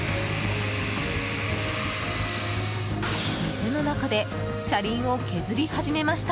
店の中で車輪を削り始めました。